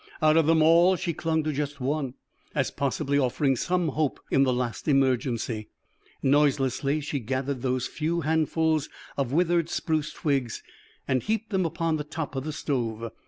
Out of them all she clung to just one, as possibly offering some hope in the last emergency. Noiselessly she gathered those few handfuls of withered spruce twigs and heaped them upon the top of the stove.